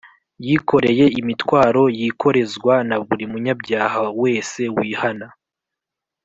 yikoreye imitwaro yikorezwa na buri munyabyaha wese wihana